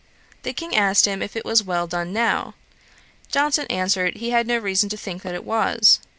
The King asked him if it was well done now. Johnson answered, he had no reason to think that it was.